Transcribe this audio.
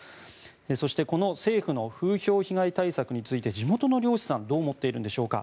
そして、この政府の風評被害対策について地元の漁師さんはどう思っているのでしょうか。